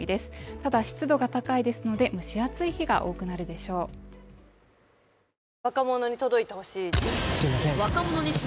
ただ湿度が高いですので蒸し暑い日が多くなるでしょう「王様のブランチ」